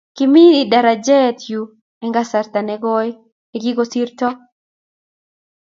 kimi darajee yu eng kasart nekooi nekikosirto